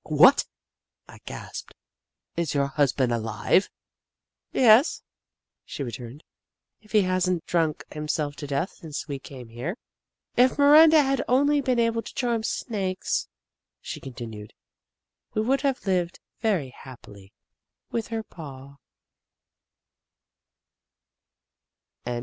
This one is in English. " What," I gasped, " is your husband alive ?"" Yes," she returned, " if he has n't drunk himself to death since we came here. If Miranda had only been able to charm Snakes," she continued, " we could have lived very hap pily with her Pa."